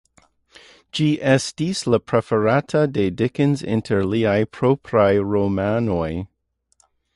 Ĝi estis la preferata de Dickens inter liaj propraj romanoj.